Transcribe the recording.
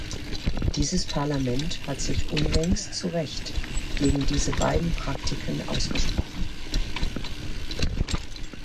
Dieses Parlament hat sich unlängst zu Recht gegen diese beiden Praktiken ausgesprochen.